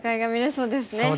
そうですね。